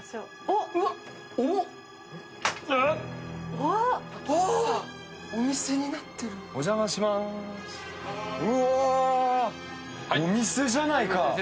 お店じゃないか。